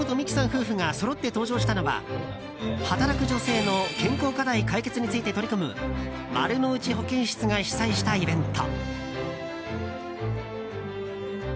夫婦がそろって登場したのは働く女性の健康課題解決について取り組むまるのうち保健室が主催したイベント。